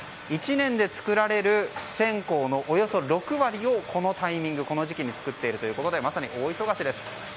１年で作られる線香のおよそ６割をこの時期に作っているということで大忙しです。